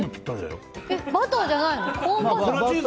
バターじゃないの？